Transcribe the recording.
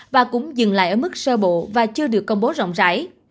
và cũng dừng lại ở mức sơ bộ và chưa được công bố rộng rãi